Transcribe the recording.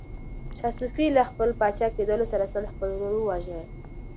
شاه صفي له خپل پاچا کېدلو سره سم خپل ورور وواژه.